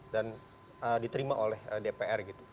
dan diterima oleh dpr gitu